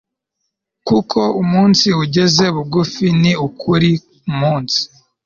Kuko umunsi ugeze bugufi ni ukuri umunsi